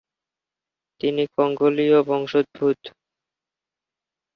তিনি কঙ্গোলীয় বংশোদ্ভূত।